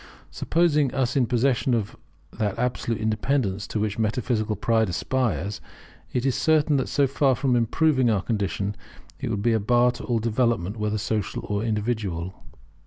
Supposing us in possession of that absolute independence to which metaphysical pride aspires, it is certain that so far from improving our condition, it would be a bar to all development, whether social or individual.